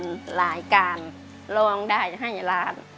สีหน้าร้องได้หรือว่าร้องผิดครับ